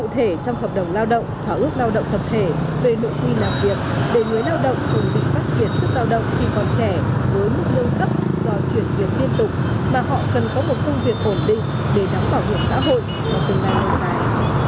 cụ thể trong hợp đồng lao động họ ước lao động thập thể về nội quy làm việc để người lao động cùng định phát triển sức lao động khi còn trẻ với mức lương cấp do chuyển việc tiên tục mà họ cần có một công việc ổn định để đảm bảo hiểm xã hội trong tương lai